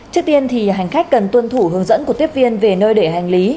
trước tiên thì hành khách cần tuân thủ hướng dẫn của tiếp viên về nơi để hành lý